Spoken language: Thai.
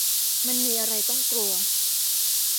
มันมีอะไรต้องกลัว